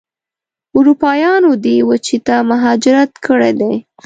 اروپایانو دې وچې ته مهاجرت کړی دی.